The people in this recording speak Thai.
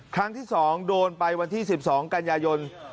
ครั้งที่๒โดนไปวันที่๑๒กันยายน